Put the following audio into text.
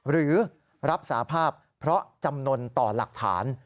หรือรับสาภาพเพราะจำนวนต่อหลักฐาน